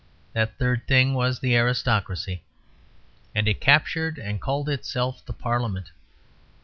That third thing was the aristocracy; and it captured and called itself the Parliament.